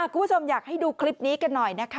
คุณผู้ชมอยากให้ดูคลิปนี้กันหน่อยนะคะ